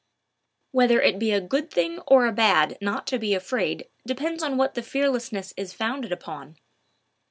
Whether it be a good thing or a bad not to be afraid depends on what the fearlessness is founded upon.